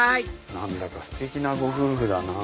何だかステキなご夫婦だなぁ。